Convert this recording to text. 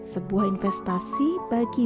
sebuah investasi bagi